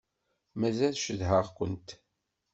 Mazal cedhaɣ-kent.